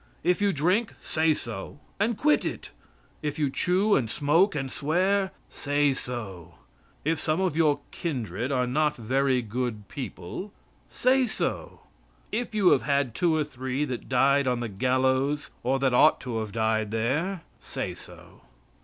If you drink say so and quit it. If you chew and smoke and swear, say so. If some of your kindred are not very good people, say so. If you have had two or three that died on the gallows, or that ought to have died there, say so.